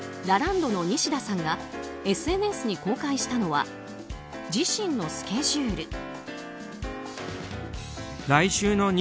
ラランドのニシダさんがＳＮＳに公開したのは自身のスケジュール。